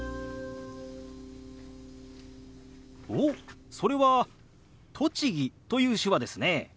おっそれは「栃木」という手話ですね。